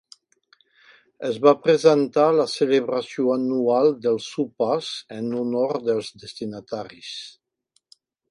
Es va presentar a la celebració anual dels sopars en honor dels destinataris.